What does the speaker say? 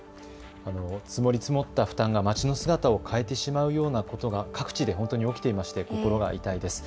積もり積もった負担が街の姿を変えてしまうようなことが各地で本当に起きていまして心が痛いです。